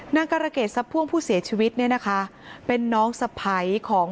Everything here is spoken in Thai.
นางการเกดซับพ่วงผู้เสียชีวิตเป็นน้องสะพ๋ยของ